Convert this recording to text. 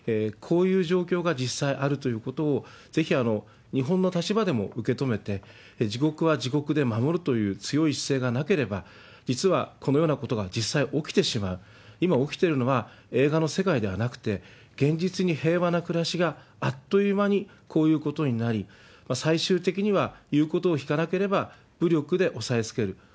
こういう状況が実際あるということを、ぜひ日本の立場でも受け止めて、自国は自国で守るという強い姿勢がなければ、実はこのようなことが実際起きてしまう、今起きてるのは映画の世界ではなくて、現実に平和な暮らしがあっという間にこういうことになり、最終的には言うことを聞かなければ武力で押さえつける。